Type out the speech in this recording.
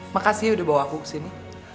makasih udah bawa aku kesini